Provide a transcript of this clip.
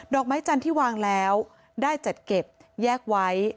อกไม้จันทร์ที่วางแล้วได้จัดเก็บแยกไว้